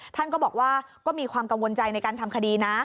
ท่านก็บอกว่าก็มีความกังวลใจในการทำคดีนะ